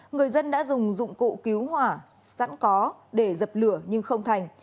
người dân đã dùng dụng cụ cứu hỏa sẵn có để dập lửa nhưng không thành